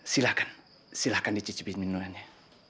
silahkan silahkan dicicipi minumannya